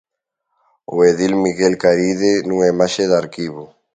O edil Miguel Caride nunha imaxe de arquivo.